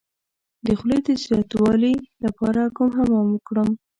د خولې د زیاتوالي لپاره کوم حمام وکړم؟